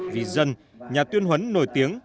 vì dân nhà tuyên huấn nổi tiếng